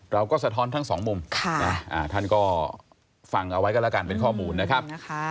สะท้อนทั้งสองมุมท่านก็ฟังเอาไว้ก็แล้วกันเป็นข้อมูลนะครับ